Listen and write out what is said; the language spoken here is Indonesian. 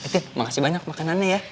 eh makasih banyak makanannya ya